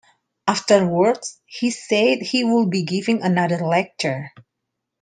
Afterwards, he said he would be giving another lecture.